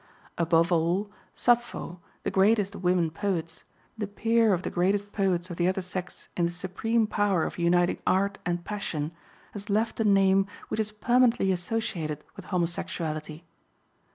Above all, Sappho, the greatest of women poets, the peer of the greatest poets of the other sex in the supreme power of uniting art and passion, has left a name which is permanently associated with homosexuality.